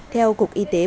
theo cục yên bái